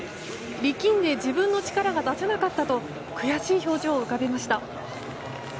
力んで自分の力が出せなかったと悔しい表情を浮かべました。